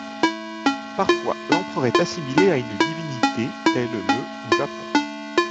Parfois, l'empereur est assimilé à une divinité, tel le au Japon.